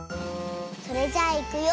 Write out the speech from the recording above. それじゃあいくよ。